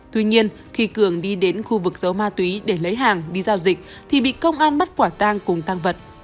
tuy nhiên khi cường đi đến khu vực giấu ma túy để lấy hàng đi giao dịch thì bị công an bắt quả tang cùng tăng vật